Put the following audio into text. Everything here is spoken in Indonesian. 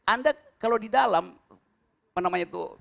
anda kalau di dalam